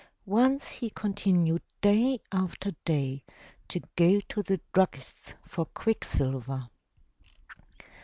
Once he con tinued day after day to go to the druggist's for quicksilver.